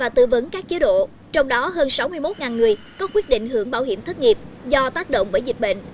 trong đó hơn sáu mươi một người có quyết định hưởng bảo hiểm thất nghiệp do tác động bởi dịch bệnh